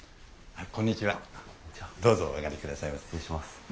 はい。